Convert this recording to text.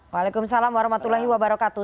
waalaikumsalam warahmatullahi wabarakatuh